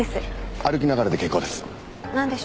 歩きながらで結構です。